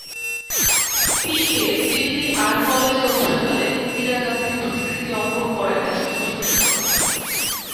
পিকে Delhi art কলেজে অধ্যয়নকালে ইন্দিরা গান্ধীর প্রতিকৃতি অঙ্কন করেন এবং প্রশংসিত হন।